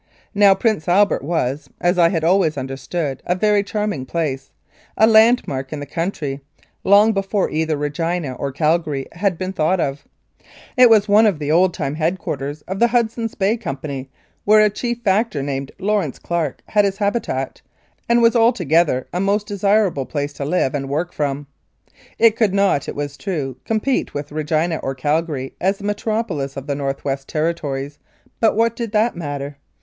Now, Prince Albert was, as I had always understood, a very charming place a landmark in the country, long before either Regina or Calgary had been thought of. It was one of the old time head quarters of the Hudson's Bay Company, where a chief factor named Lawrence Clarke had his habitat, and was altogether a most desirable place to live in and work from. It could not, it was true, compete with Regina or Calgary as the metropolis of the North West Territories, but what did that matter